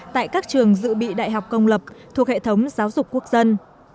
tại các trường dự bị đại học công lập thuộc hệ thống giáo dục quốc dân